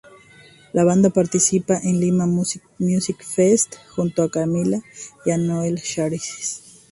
La banda participa en Lima Music Fest junto a Camila y a Noel Schajris.